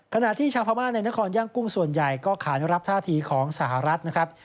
ขณะที่ชาวพม่าในนครย่างกุ้งส่วนใหญ่ก็ขานุรับท่าทีของสหรัฐนะครับ